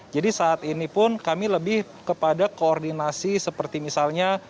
jadi saat ini pun kami lebih kepada koordinasi seperti misalnya